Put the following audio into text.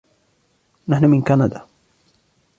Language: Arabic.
نحن من كندا.